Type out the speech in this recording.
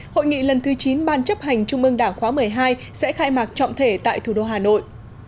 hội nghị lần thứ chín ban chấp hành trung ương đảng khóa một mươi hai sẽ khai mạc trọng thể tại thủ đô hà nội